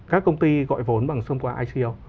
các công ty gọi vốn bằng xông qua ico